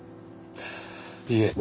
いえ。